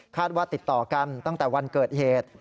ว่าติดต่อกันตั้งแต่วันเกิดเหตุ